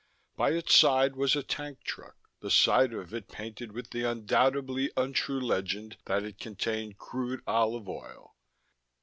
By its side was a tank truck, the side of it painted with the undoubtedly untrue legend that it contained crude olive oil.